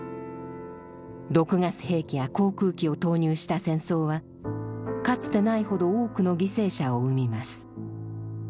毒ガス兵器や航空機を投入した戦争はかつてないほど多くの犠牲者を生みます。